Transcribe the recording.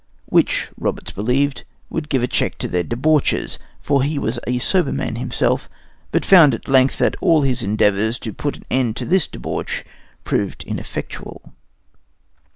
(Which Roberts believed would give a check to their debauches, for he was a sober man himself, but found at length that all his endeavors to put an end to this debauch proved ineffectual.)